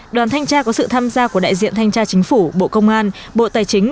đoàn thanh tra có sự tham gia của đại diện thanh tra chính phủ bộ công an bộ tài chính